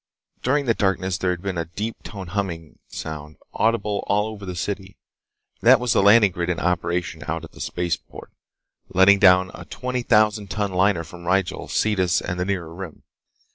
During the darkness there had been a deep toned humming sound, audible all over the city. That was the landing grid in operation out at the spaceport, letting down a twenty thousand ton liner from Rigel, Cetis, and the Nearer Rim.